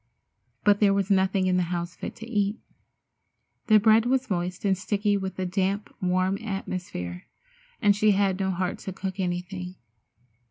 But there was nothing in the house fit to eat. The bread was moist and sticky with the damp, warm atmosphere, and she had no heart to cook anything.